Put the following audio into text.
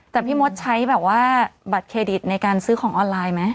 แต่พี่มดใช้แบบว่าบัตรเครดิตในการซื้อของออนไลน์ไหม